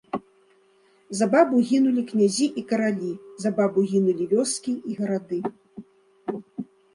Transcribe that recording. За бабу гінулі князі і каралі, за бабу гінулі вёскі і гарады.